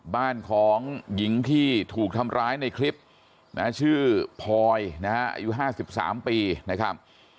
บ้านของหญิงที่ถูกทำร้ายในคลิปนะชื่อพลอยนะฮะอายุ๕๓ปีนะครับ